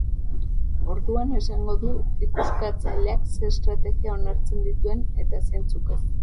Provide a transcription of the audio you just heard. Orduan esango du ikuskatzaileak ze estrategia onartzen dituen eta zeintzuk ez.